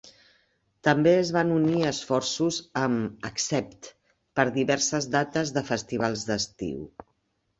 També es van unir esforços amb "Accept" per diverses dates de festivals d'estiu.